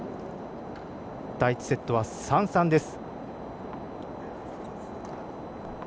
第１セットは３−３です。